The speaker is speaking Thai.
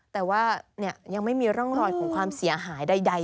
แต่ว่ายังไม่มีร่องรอยของความเสียหายใด